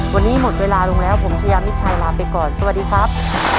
วันนี้หมดเวลาลงแล้วผมชายามิดชัยลาไปก่อนสวัสดีครับ